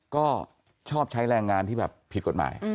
ก็ชอบใช้แรงงานที่แบบผิดกฎหมาย